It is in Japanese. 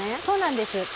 そうなんです。